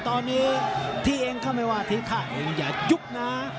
ตอนนี้ที่เองเข้ามาไม่ว่าทิศค่ะเองอย่ายุบนะ